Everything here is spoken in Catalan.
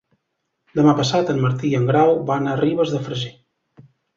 Demà passat en Martí i en Grau van a Ribes de Freser.